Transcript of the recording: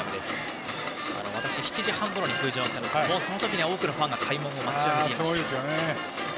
７時半ぐらいに球場入りしましたがその時には多くのファンが開門を待ちわびていました。